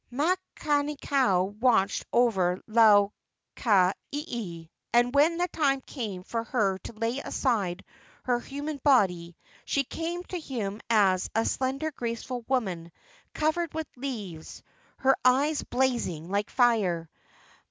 Makani kau watched over Lau ka ieie, and when the time came for her to lay aside her human body she came to him as a slender, graceful woman, covered with leaves, her eyes blazing like fire.